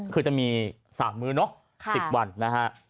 คือจะมี๓มื้อ๑๐วัน